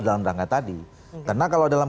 dalam rangka tadi karena kalau dalam